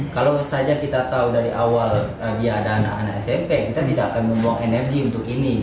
kalau saja kita tahu dari awal dia ada anak anak smp kita tidak akan membuang energi untuk ini